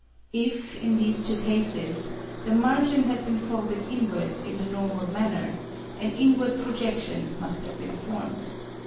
If, in these two cases, the margin had been folded inwards in the normal manner, an inward projection must have been formed.